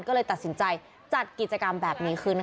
ก็เลยตัดสินใจจัดกิจกรรมแบบนี้ขึ้นค่ะ